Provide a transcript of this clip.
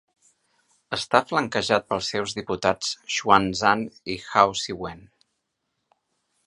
Està flanquejat pels seus diputats Xuan Zan i Hao Siwen.